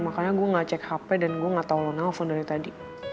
makanya gue gak cek hp dan gue gak tau lo nelfon dari tadi